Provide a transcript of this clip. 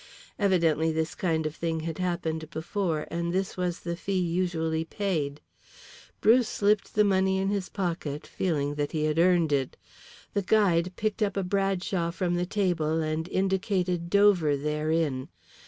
Evidently this kind of thing had happened before, and this was the fee usually paid. Bruce slipped the money in his pocket, feeling that he had earned it. The guide picked up a Bradshaw from the table and indicated Dover therein.